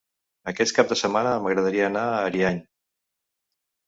Aquest cap de setmana m'agradaria anar a Ariany.